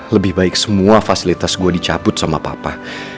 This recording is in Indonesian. lebih baik semua fasilitas gue dicabut sama papa